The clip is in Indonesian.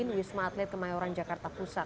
di wisma atlet kemayoran jakarta pusat